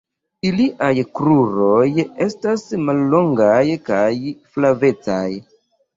Iliaj kruroj estas mallongaj kaj flavecaj.